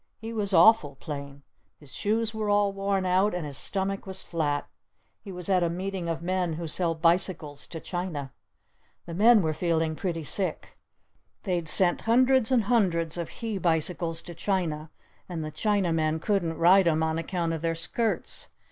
He was awful plain. His shoes were all worn out. And his stomach was flat. He was at a meeting of men who sell bicycles to China. The men were feeling pretty sick. They'd sent hundreds and hundreds of he bicycles to China and the Chinamen couldn't ride 'em on account of their skirts!